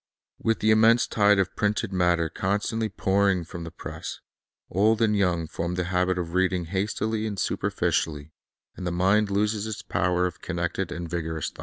With the immense tide of printed matter con stantly pouring from the press, old and young form the habit o( reading hastily and superficially, and the mind loses its power of connected and vigorous thought.